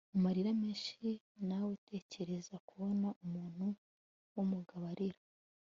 mu marira menshi nawe tekereza kubona umuntu wumugabo arira